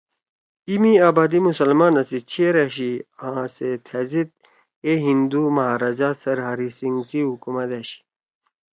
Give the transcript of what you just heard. ایمی آبادی مسلمانا سی چیر أشی آسے تھأزید اے ہندُو مہاراجہ سر ہری سنگھ سی حکومت أشی